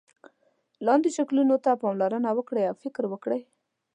لاندې شکلونو ته پاملرنه وکړئ او فکر وکړئ.